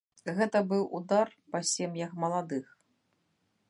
Гэта быў удар па сем'ях маладых.